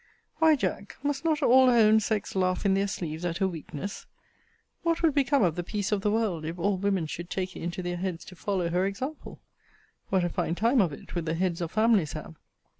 Why, Jack, must not all her own sex laugh in their sleeves at her weakness? what would become of the peace of the world, if all women should take it into their heads to follow her example? what a fine time of it would the heads of families have?